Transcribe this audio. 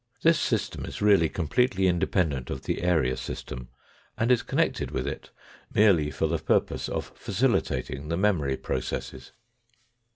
This system is really completely independent of the area system and is connected with it merely for the purpose of facilitating the memory processes.